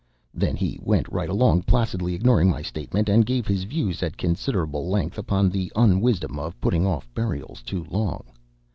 Then he went right along, placidly ignoring my statement, and gave his views at considerable length upon the unwisdom of putting off burials too long.